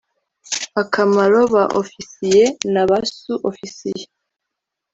akamaro Ba Ofisiye naba Su Ofisiye.